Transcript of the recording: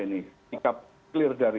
ini tidak clear dari